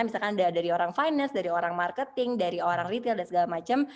misalkan dari orang finance dari orang marketing dari orang retail dan segala macam